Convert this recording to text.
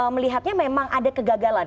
melihatnya memang ada kegagalan